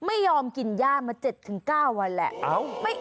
ไม่ยอมกินย่ามา๗๙วันแหละ